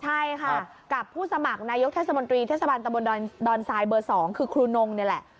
ใช่ค่ะกับผู้สมัครนายกเทศมนตรีเทศบาลตะบนดอนทรายเบอร์๒คือครูนงนี่แหละ